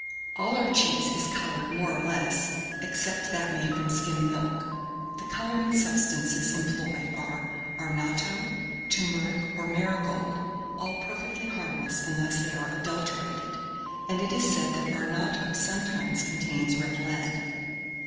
All our cheese is coloured more or less, except that made from skim milk. The colouring substances employed are arnatto, turmeric, or marigold, all perfectly harmless unless they are adulterated; and it is said that arnatto sometimes contains red lead.